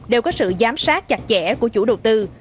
đều có sự giám sát chặt chẽ của chủ đầu tư